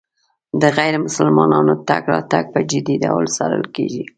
د غیر مسلمانانو تګ راتګ په جدي ډول څارل کېږي.